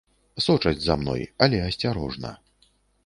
Сочаць за мной, але асцярожна.